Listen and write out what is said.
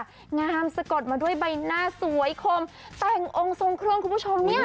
งามสะกดมาด้วยใบหน้าสวยคมแต่งองค์ทรงเครื่องคุณผู้ชมเนี่ย